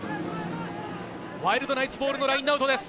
ワイルドナイツボールのラインアウトです。